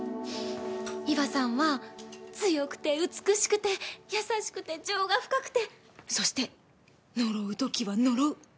伊和さんは強くて美しくて優しくて情が深くてそして呪う時は呪う。